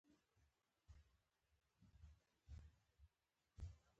زما کتاب په مېز پراته وو.